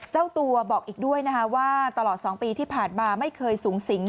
เจ้าตัวบอกอีกด้วยนะคะว่าตลอด๒ปีที่ผ่านมาไม่เคยสูงสิง